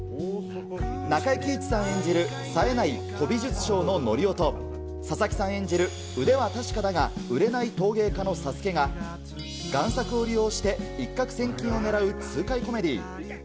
中井貴一さん演じるさえない古美術商の則夫と、佐々木さん演じる、腕は確かだが売れない陶芸家の佐輔が、がん作を利用して一獲千金をねらう痛快コメディー。